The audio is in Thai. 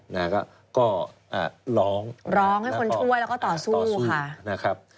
นะฮะก็ก็ร้องร้องให้คนช่วยแล้วก็ต่อสู้ค่ะนะครับ